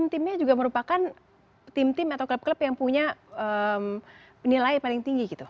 karena tim timnya juga merupakan tim tim atau klub klub yang punya nilai paling tinggi gitu